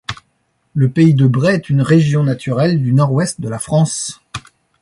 Le pays de Bray est une région naturelle du Nord-Ouest de la France.